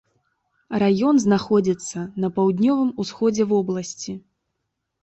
Раён знаходзіцца на паўднёвым усходзе вобласці.